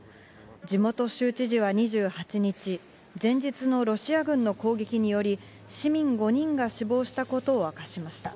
地元州知事は２８日、前日のロシア軍の攻撃により、市民５人が死亡したことを明かしました。